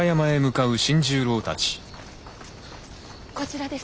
こちらです。